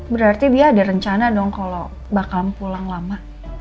berarti dia ada rencana dong kalau bakal pulang lama